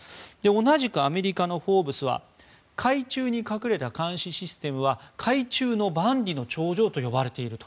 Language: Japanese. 同じくアメリカの「フォーブス」は海中に隠れた監視システムは海中の万里の長城と呼ばれていると。